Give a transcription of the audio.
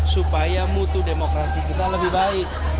supaya mutu demokrasi kita lebih baik